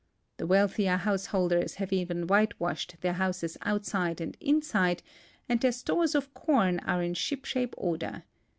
The wealthier householders have even whitewashed their houses outside and inside, and their stores of corn are in ship shape order.